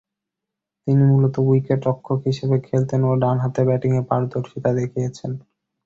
তিনি মূলতঃ উইকেট-রক্ষক হিসেবে খেলতেন ও ডানহাতে ব্যাটিংয়ে পারদর্শীতা দেখিয়েছেন।